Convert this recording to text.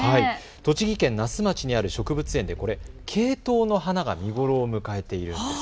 栃木県那須町にある植物園でケイトウの花が見頃を迎えています。